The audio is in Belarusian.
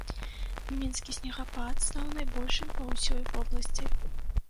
Мінскі снегапад стаў найбольшым па ўсёй вобласці.